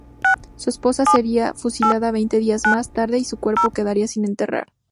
Su esposa sería fusilada veinte días más tarde y su cuerpo quedaría sin enterrar.